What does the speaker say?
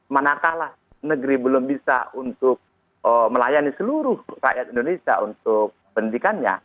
manakala negeri belum bisa untuk melayani seluruh rakyat indonesia untuk pendidikannya